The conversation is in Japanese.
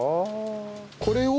これを？